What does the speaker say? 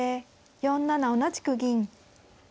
４七同じく銀。